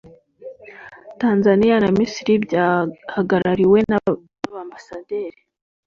Tanzania na Misiri byahagarariwe n’aba mbasaderi